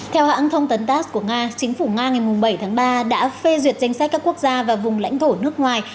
theo hãng thông tấn das của nga chính phủ nga ngày bảy tháng ba đã phê duyệt danh sách các quốc gia và vùng lãnh thổ nước ngoài